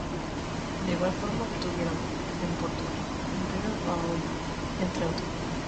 De igual forma, obtuvieron en Puerto Rico un premio Paoli, entre otros.